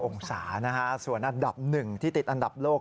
๔๒๙องศาส่วนอันดับ๑ที่ติดอันดับโลก